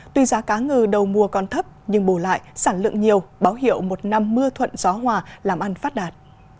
tuy giá cá ngừ đầu mùa còn thấp nhưng bù lại sản lượng nhiều báo hiệu một năm mưa thuận gió hòa làm ăn phát đạt